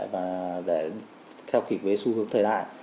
và để theo kịch với xu hướng thời đại